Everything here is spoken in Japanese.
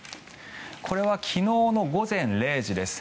これは昨日の午前０時です。